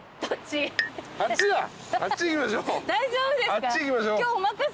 大丈夫ですか？